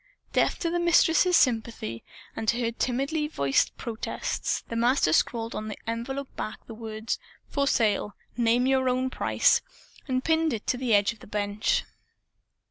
Deaf to the Mistress's sympathy and to her timidly voiced protests, the Master scrawled on an envelope back the words "For Sale. Name Your Own Price," and pinned it on the edge of the bench.